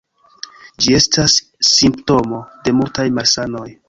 Ĝi estas simptomo de multaj malsanoj.